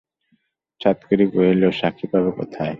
সাতকড়ি কহিল, সাক্ষী পাবে কোথায়?